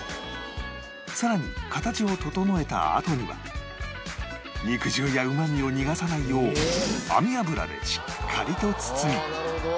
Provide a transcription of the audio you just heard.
さらに形を整えたあとには肉汁やうまみを逃がさないよう網脂でしっかりと包み